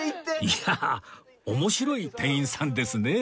いや面白い店員さんですね